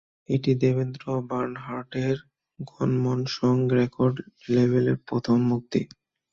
এটি দেবেন্দ্র বানহার্টের Gnomonsong record লেবেলের প্রথম মুক্তি।